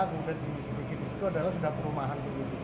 jalan raya kemudian sedikit di situ adalah sudah perumahan